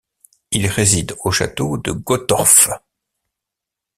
Il réside au château de Gottorf.